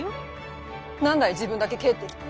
何だい自分だけ帰ってきて。